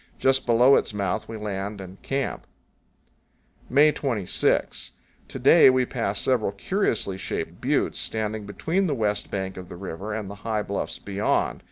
Just below its mouth we land and camp. May 26. To day we pass several curiously shaped buttes, standing between the west bank of the river and the high bluffs beyond.